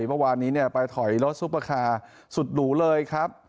เมื่อวานนี้ไปถอยรถซุปเปอร์คาร์สุดหรูเลยครับ